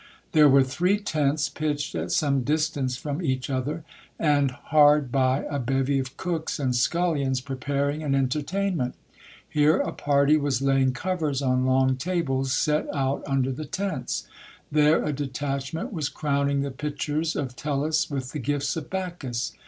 There were three tents pitched at some distance from each other ; and hard by, a bevy of cooks and scullions preparing an entertainment Here a party was laying covers on long tables set o*ut under the tents ; there a detachment was crowning the pitchers of Tellus with the gifts of Bacchus.